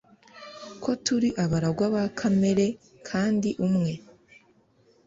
Ko turi abaragwa ba kamere kandi umwe